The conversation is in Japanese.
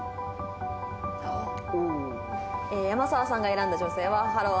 山澤さんが選んだ女性ははろーあ